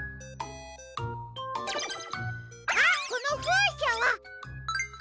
あっこのふうしゃは。